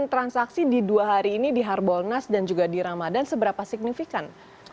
transaksi di dua hari ini di harbolnas dan juga di ramadan seberapa signifikan